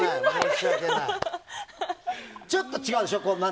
ちょっと違うでしょ？